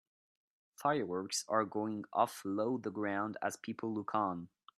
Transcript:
Fireworks are going off low to the ground as people look on